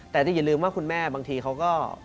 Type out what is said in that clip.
แต่ที่อย่าลืมว่าคุณแม่บางทีเขาก็